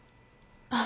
あっ。